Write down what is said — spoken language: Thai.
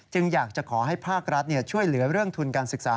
อยากจะขอให้ภาครัฐช่วยเหลือเรื่องทุนการศึกษา